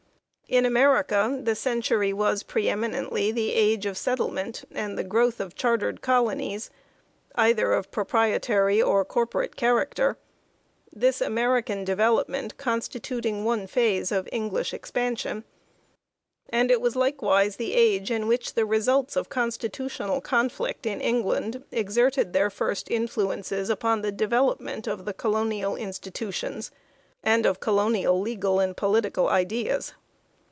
In America the century was pre eminently the age of settlement and the growth 182 THE INFLUENCE OF MAGNA CARTA of chartered colonies, either of proprietary or corporate character, this American development constituting one phase of English expansion ; and it was likewise the age in which the results of constitutional conflict in England exerted their first influences upon the develop ment of colonial institutions and of colonial legal and political ideas.